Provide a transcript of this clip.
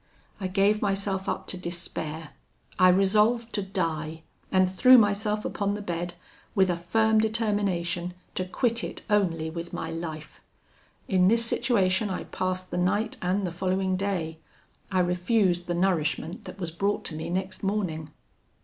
I gave myself up to despair. I resolved to die; and threw myself upon the bed, with a firm determination to quit it only with my life. In this situation I passed the night and the following day. I refused the nourishment that was brought to me next morning.